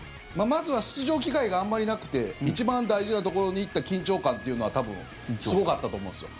まずは出場機会があんまりなくて一番大事なところに行った緊張感っていうのは多分すごかったと思うんですよ。